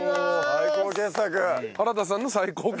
最高傑作。